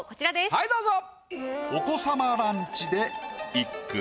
はいどうぞ。